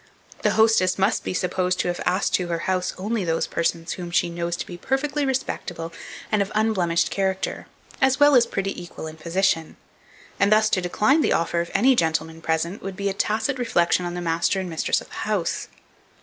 The hostess must be supposed to have asked to her house only those persons whom she knows to be perfectly respectable and of unblemished character, as well as pretty equal in position; and thus, to decline the offer of any gentleman present, would be a tacit reflection on the master and mistress of the house.